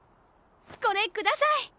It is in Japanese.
これください！